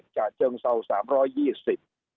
จ่าเจิงเศร้าสี